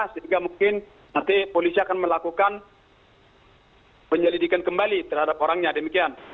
sehingga mungkin nanti polisi akan melakukan penyelidikan kembali terhadap orangnya demikian